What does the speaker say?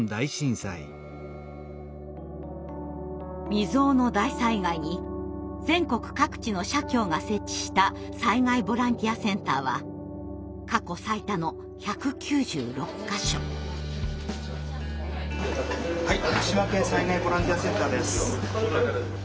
未曽有の大災害に全国各地の社協が設置した災害ボランティアセンターははい福島県災害ボランティアセンターです。